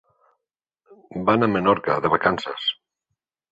Van a Menorca de vacances.